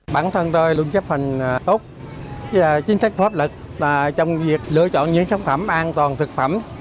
bản thân tôi luôn chấp hành tốt chính sách pháp luật trong việc lựa chọn những sản phẩm an toàn thực phẩm